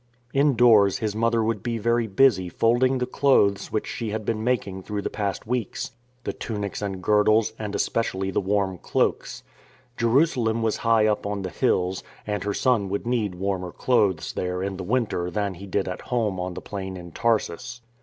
Indoors his mother would be very busy folding the clothes which she had been making through the past weeks — the tunics and girdles, and especially the warm cloaks. Jerusalem was high up on the hills, and her son would need warmer clothes there in the winter than he did at home on the plain in Tarsus.